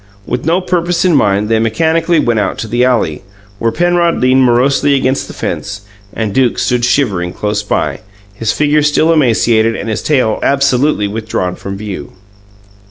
With no purpose in mind, they mechanically went out to the alley, where Penrod leaned morosely against the fence, and Duke stood shivering close by, his figure still emaciated and his tail absolutely withdrawn from view.